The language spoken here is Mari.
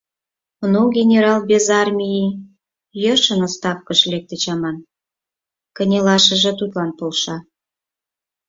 — Ну, генерал без армии, йӧршын отставкыш лектыч аман, — кынелашыже тудлан полша.